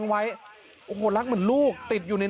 ใช่แก๊สมีอะไรอยู่ด้วย